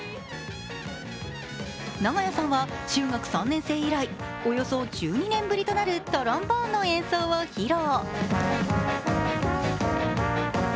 長屋さんは中学３年生以来、およそ１２年ぶりとなるトロンボーンの演奏を披露。